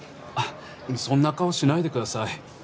そんな顔しないでください。